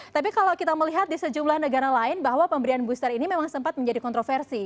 tapi kalau kita melihat di sejumlah negara lain bahwa pemberian booster ini memang sempat menjadi kontroversi